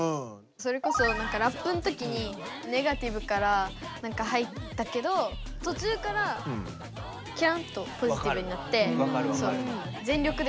それこそラップのときにネガティブから入ったけどとちゅうからキランとポジティブになって。